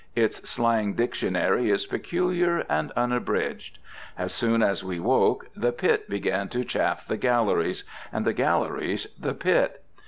Its slang dictionary is peculiar and unabridged. As soon as we woke, the pit began to chaff the galleries, and the galleries the pit.